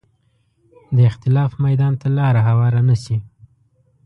د اختلاف میدان ته لاره هواره نه شي